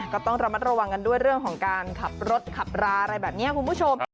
ก็ต้องระมัดระวังกันด้วยเรื่องของการขับรถขับราอะไรแบบนี้คุณผู้ชม